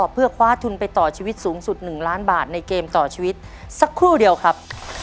เพื่อคว้าทุนไปต่อชีวิตสูงสุด๑ล้านบาทในเกมต่อชีวิตสักครู่เดียวครับ